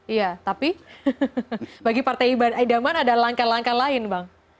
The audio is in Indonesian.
iya tapi bagi partai iban idaman ada langkah langkah lain bang